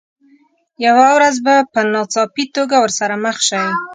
یوه ورځ به په ناڅاپي توګه ورسره مخ شئ.